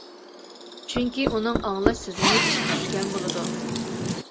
چۈنكى ئۇنىڭ ئاڭلاش سېزىمى ئىشقا چۈشكەن بولىدۇ.